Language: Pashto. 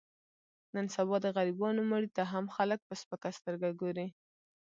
نن سبا د غریبانو مړي ته هم خلک په سپکه سترګه ګوري.